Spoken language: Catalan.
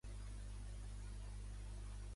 Els del Port de la Selva, portuguesos.